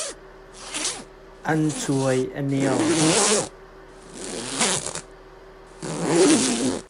An cuai a neo.